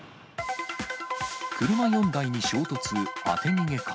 車４台に衝突、当て逃げか。